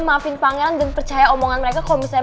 maafin pangeran dan percaya omongan mereka kalau misalnya